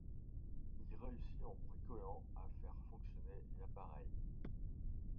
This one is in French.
Il réussit en bricolant à faire fonctionner l'appareil.